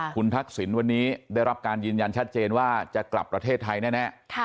คุณทักษิณวันนี้ได้รับการยืนยันชัดเจนว่าจะกลับประเทศไทยแน่